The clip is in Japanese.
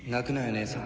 姉さん。